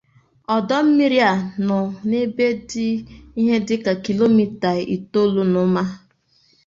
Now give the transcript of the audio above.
Ọdọ mmiri a nọ na ebe dị ihe dị ka kilomita itoolu na ụma.